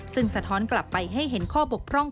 ซึ่งสะท้อนกลับไปให้เห็นข้อบกพร่อง